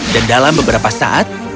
dan dalam beberapa saat